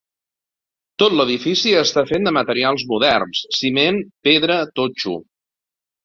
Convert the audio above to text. Tot l'edifici està fet de materials moderns, ciment, pedra, totxo.